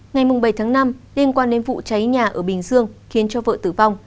ngày bảy tháng năm liên quan đến vụ cháy nhà ở bình dương khiến cho vợ tử vong